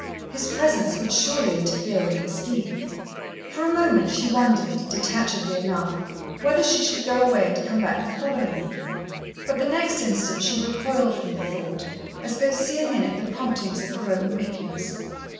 His presence would surely interfere with her scheme. For a moment she wondered, detachedly enough, whether she should go away and come back the following evening. But the next instant she recoiled from the thought, as though seeing in it the promptings of her own weakness.